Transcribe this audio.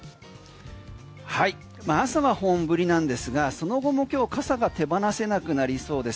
明日は本降りなんですがその後も今日傘が手放せなくなりそうです。